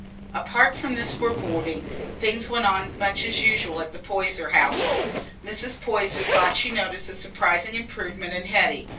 Apart from this foreboding, things went on much as usual in the Poyser household. Mrs. Poyser thought she noticed a surprising improvement in Hetty.